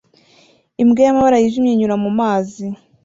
Imbwa y'amabara yijimye inyura mu mazi